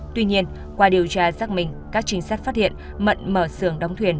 tuy nhiên qua điều tra giác minh các chính sách phát hiện mận mở sườn đóng thuyền